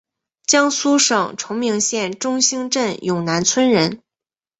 江苏省崇明县中兴镇永南村人。